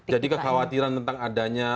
jadi kekhawatiran tentang adanya